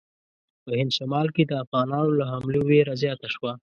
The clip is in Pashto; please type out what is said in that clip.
په هند شمال کې د افغانانو له حملو وېره زیاته شوه.